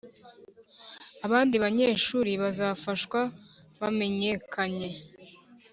abandi banyeshuri bazafashwa bamenyekanye